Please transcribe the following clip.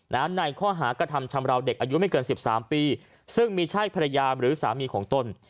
ในข้อหากระทำชำลาวเด็กอายุไม่เกิน๑๓ปีซึ่งมีชายพระยามหรือสามีของต้น